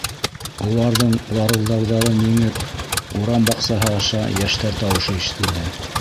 Уларҙың ларылдауҙарын еңеп, урам баҡсаһы аша йәштәр тауышы ишетелде.